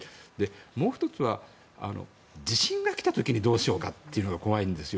もう１つは地震が来た時にどうしようかというのが怖いんですよ。